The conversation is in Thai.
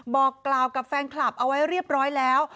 บอกกล่าวกับแฟนคลับเอาไว้เรียบร้อยแล้ว